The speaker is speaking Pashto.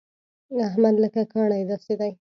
احمد لکه کاڼی داسې دی.